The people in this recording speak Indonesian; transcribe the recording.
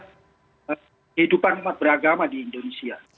kehidupan umat beragama di indonesia